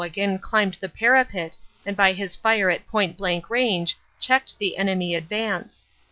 again climbed the parapet and by his fire at point blank range checked the enemy advance.